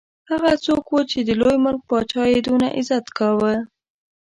هغه څوک وو چې د لوی ملک پاچا یې دونه عزت کاوه.